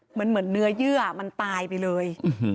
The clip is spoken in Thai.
เหมือนเนื้อเยื่อมันตายไปเลย